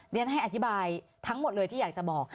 เรียนให้อธิบายทั้งหมดเลยที่อยากจะบอก